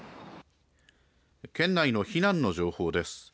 県内の避難の情報です。